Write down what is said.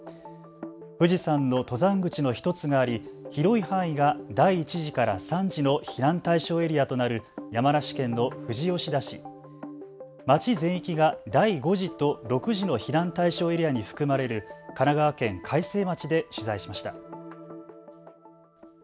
富士山の登山口の１つがあり広い範囲が第１次から３次の避難対象エリアとなる山梨県の富士吉田市、町全域が第５次と６次の避難対象エリアに含まれる神奈川県開成町で取材しました。